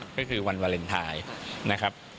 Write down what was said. ก็คือวันวาเลนไทยนะครับ